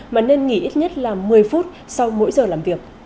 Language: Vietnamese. mà nên nghỉ ít nhất là một mươi phút sau mỗi giờ làm việc